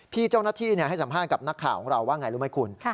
พี่เจ้าหน้าที่เนี่ยให้สัมภาษณ์กับหน้าข่าวของเราว่าอย่างไรรึไหมคุณ